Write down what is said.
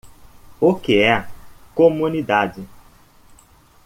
O que é Comunidade.